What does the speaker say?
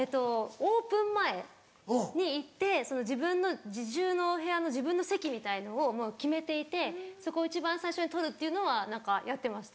オープン前に行って自習のお部屋の自分の席みたいのをもう決めていてそこを一番最初に取るっていうのはやってました。